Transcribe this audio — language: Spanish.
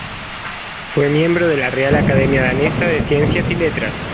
Fue miembro de la Real Academia Danesa de Ciencias y Letras.